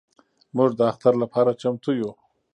موږ د اختر لپاره چمتو یو.